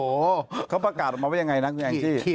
โอ้โหเขาประกาศออกมาว่ายังไงนะคุณแองจี้